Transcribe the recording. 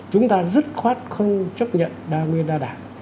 chúng ta dứt khoát không chấp nhận đa nguyên ra đảng